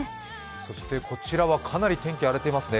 そしてこちらはかなり天気荒れていますね。